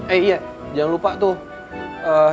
eh iya jangan lupa tuh